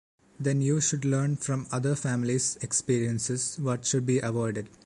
Then you should learn from other families experiences what should be avoided...